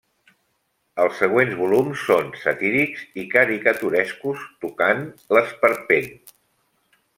Els següents volums són satírics i caricaturescos, tocant l'esperpent.